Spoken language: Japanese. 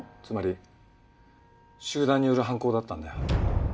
つまり集団による犯行だったんだよ。